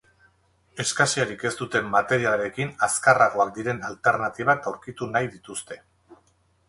Eskasiarik ez duten materialekin azkarragoak diren alternatibak aurkitu nahi dituzte.